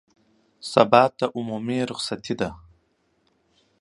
سبا ته عمومي رخصتي ده